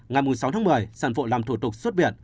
ngày sáu một mươi sản phụ làm thủ tục xuất biện